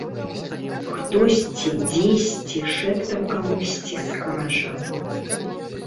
Хтосьці дзесьці шэптам камусьці скажа.